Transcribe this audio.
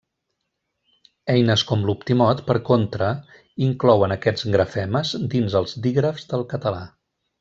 Eines com l'Optimot, per contra, inclouen aquests grafemes dins els dígrafs del català.